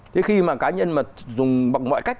thế khi mà cá nhân mà dùng bằng mọi cách